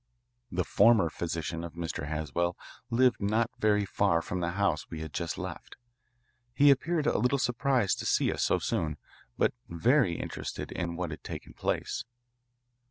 The former physician of Mr. Haswell lived not very far from the house we had just left. He appeared a little surprised to see us so soon, but very interested in what had taken place.